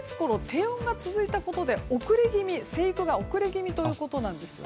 低温が続いたことで生育が遅れ気味ということなんです。